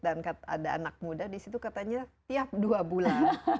dan ada anak muda di situ katanya tiap dua bulan